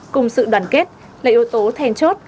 cùng sự đoàn kết là yếu tố thèn chốt